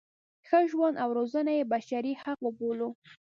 ښه ژوند او روزنه یې بشري حق وبولو.